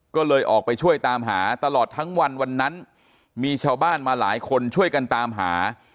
ก็เลยออกไปช่วยตามหาตลอดทั้งวันวันนั้นมีชาวบ้านมาหลายคนช่วยกันตามหา